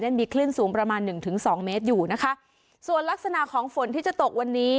มีคลื่นสูงประมาณหนึ่งถึงสองเมตรอยู่นะคะส่วนลักษณะของฝนที่จะตกวันนี้